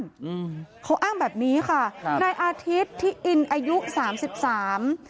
อืมเขาอ้างแบบนี้ค่ะครับนายอาทิตย์ที่อินอายุสามสิบสาม